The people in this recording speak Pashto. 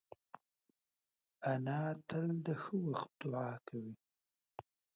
انا تل د ښه وخت دعا کوي